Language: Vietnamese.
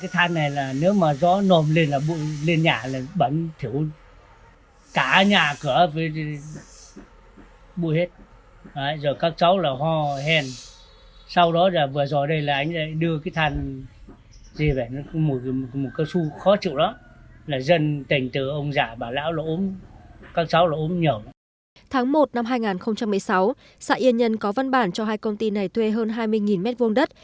tháng một năm hai nghìn một mươi sáu xã yên nhân có văn bản cho hai công ty này thuê hơn hai mươi mét vuông đất